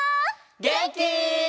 げんき？